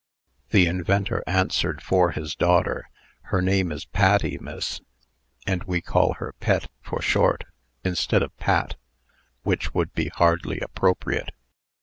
The inventor answered for his daughter. "Her name is Patty, miss; and we call her Pet, for short, instead of Pat, which would be hardly appropriate."